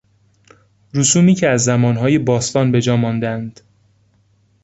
رسومی که از زمانهای باستان به جاماندهاند